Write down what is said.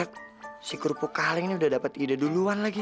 kampret si kurpukaling ini udah dapet ide duluan lagi